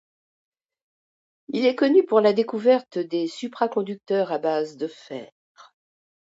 Il est connu pour la découverte des supraconducteurs à base de fer.